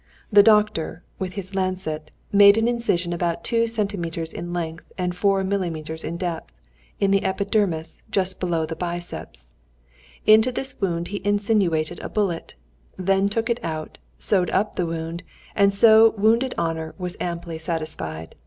The doctor, with his lancet, made an incision about two centimètres in length and four millemètres in depth, in the epidermis just below the biceps; into this wound he insinuated a bullet, then took it out, sewed up the wound, and so wounded honour was amply satisfied.